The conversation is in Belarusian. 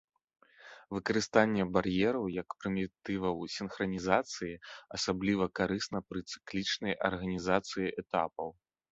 Выкарыстанне бар'ераў як прымітываў сінхранізацыі асабліва карысна пры цыклічнай арганізацыі этапаў.